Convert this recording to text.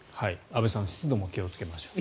安部さん湿度も気をつけましょう。